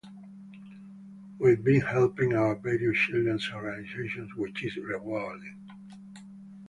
We've been helping out various children's organizations, which is rewarding.